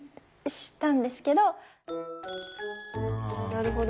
なるほど。